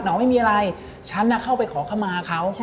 น้องไม่มีอะไรฉันน่ะเข้าไปขอขมาเขา